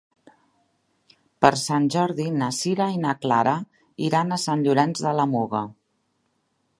Per Sant Jordi na Sira i na Clara iran a Sant Llorenç de la Muga.